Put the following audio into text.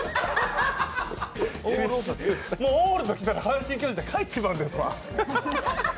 もうオールときたら、阪神と書いちまうんですわ。